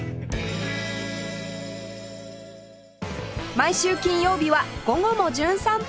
毎週金曜日は『午後もじゅん散歩』